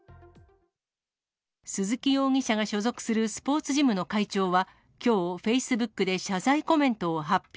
鈴木容疑者が所属するスポーツジムの会長はきょう、フェイスブックで謝罪コメントを発表。